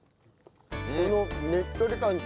このねっとり感と。